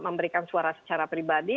dan memberikan suara secara pribadi